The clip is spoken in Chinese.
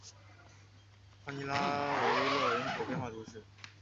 帕尼拉维勒人口变化图示